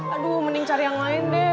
aduh mending cari yang lain deh